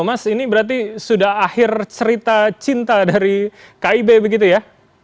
mas ini berarti sudah akhir cerita cinta dari kib begitu ya